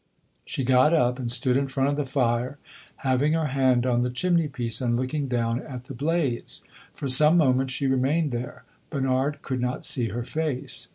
She got up and stood in front of the fire, having her hand on the chimney piece and looking down at the blaze. For some moments she remained there. Bernard could not see her face.